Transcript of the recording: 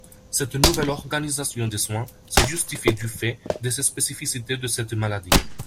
Cette nouvelle organisation des soins se justifie du fait des spécificités de cette maladie.